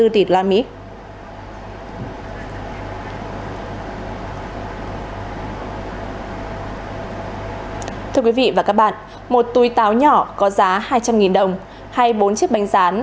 thưa quý vị và các bạn một túi táo nhỏ có giá hai trăm linh đồng hay bốn chiếc bánh rán